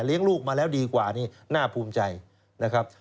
ลูกมาแล้วดีกว่านี่น่าภูมิใจนะครับ